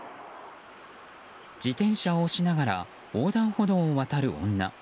自転車を押しながら横断歩道を渡る女。